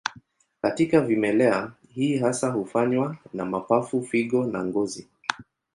Katika vimelea, hii hasa hufanywa na mapafu, figo na ngozi.